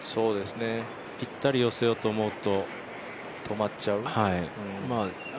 ぴったり寄せようと思うと止まっちゃう？